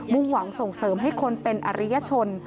หวังส่งเสริมให้คนเป็นอริยชน